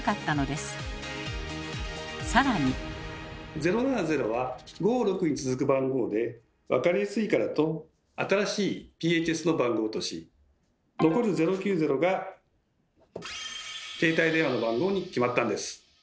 「０７０」は５・６に続く番号で分かりやすいからと新しいＰＨＳの番号とし残る「０９０」が携帯電話の番号に決まったんです。